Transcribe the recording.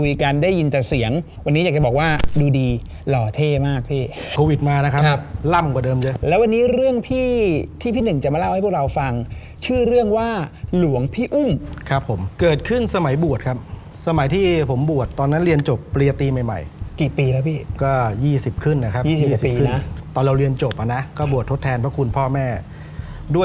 หล่อเท่มากพี่โควิดมานะครับครับล่ำกว่าเดิมเยอะแล้ววันนี้เรื่องพี่ที่พี่หนึ่งจะมาเล่าให้พวกเราฟังชื่อเรื่องว่าหลวงพี่อึ้งครับผมเกิดขึ้นสมัยบวชครับสมัยที่ผมบวชตอนนั้นเรียนจบปริยตีใหม่ใหม่กี่ปีแล้วพี่ก็ยี่สิบขึ้นนะครับยี่สิบกว่าปีน่ะตอนเราเรียนจบอ่ะน่ะก็บวชทดแทนพระคุณพ่อแม่ด้